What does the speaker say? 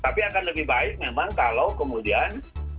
tapi akan lebih baik memang kalau kemudian